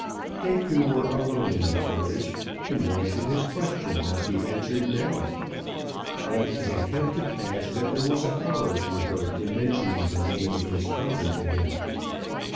They two were alone in the carriage, and why should his question not be answered now? But it had come to pass that there was a horror to her in mentioning the name of his father to him.